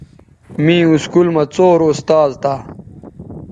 می اسکول مہ څور استاذ تھہ